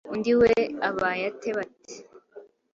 undi we abaye ate ? Bati «